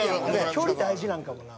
距離大事なんかもな。